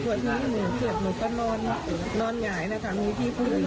ก็จะตกลัวเค้าจะมาคอนบร้าไทยอีกครั้ง